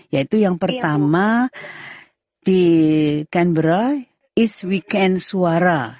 yaitu yang pertama di canberra east weekend suara